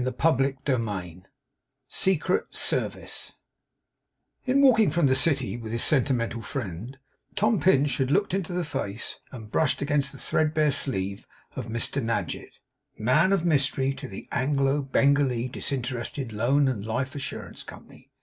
CHAPTER THIRTY EIGHT SECRET SERVICE In walking from the city with his sentimental friend, Tom Pinch had looked into the face, and brushed against the threadbare sleeve, of Mr Nadgett, man of mystery to the Anglo Bengalee Disinterested Loan and Life Assurance Company.